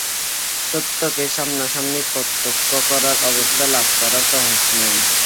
সত্যকে সামনাসামনি প্রত্যক্ষ করার অবস্থা লাভ করা সহজ নয়।